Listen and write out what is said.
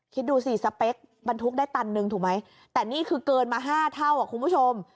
คิดดูสิสเปคบรรทุกได้ตันหนึ่งถูกไหมแต่นี่คือเกินมา๕เท่าอ่ะคุณผู้ชม